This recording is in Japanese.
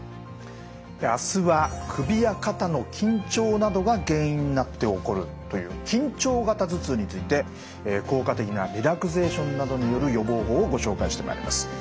明日は首や肩の緊張などが原因になって起こるという緊張型頭痛について効果的なリラクゼーションなどによる予防法をご紹介してまいります。